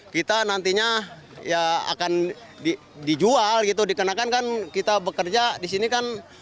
kita nantinya ya akan dijual gitu dikenakan kan kita bekerja di sini kan